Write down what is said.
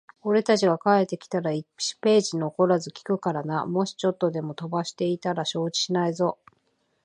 俺たちが帰ってきたら、一ページ残らず聞くからな。もしちょっとでも飛ばしていたら承知しないぞ。